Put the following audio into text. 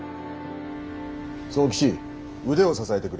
左右吉腕を支えてくれ。